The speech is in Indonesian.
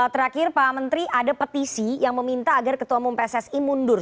terakhir pak menteri ada petisi yang meminta agar ketua umum pssi mundur